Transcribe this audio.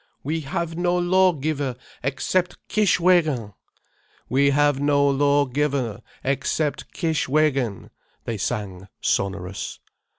"WE HAVE NO LAWGIVER EXCEPT KISHWÉGIN." "We have no lawgiver except Kishwégin," they sang sonorous.